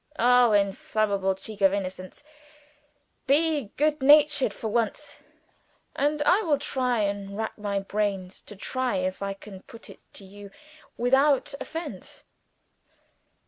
Oh, inflammable Cheek of Innocence, be good natured for once, and I will rack my brains to try if I can put it to you without offense!